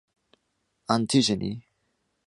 Antigeny.